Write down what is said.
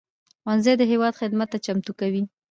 ښوونځی د هېواد خدمت ته چمتو کوي